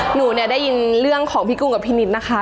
หนูเนี่ยได้ยินเรื่องของพี่กุ้งกับพี่นิดนะคะ